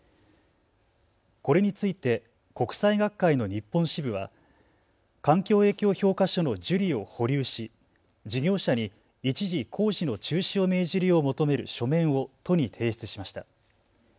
これについて国際学会の日本支部は環境影響評価書の受理を保留し事業者に一時工事の中止を命じるよう求める書面を都に提出しました。